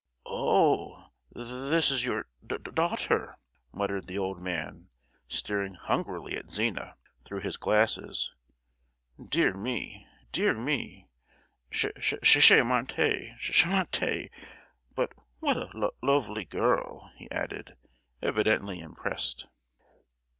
"Oh, th—this is your d—daughter!" muttered the old man, staring hungrily at Zina through his glasses. "Dear me, dear me. Ch—charmante, ch—armante! But what a lo—ovely girl," he added, evidently impressed.